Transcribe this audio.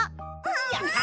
やった！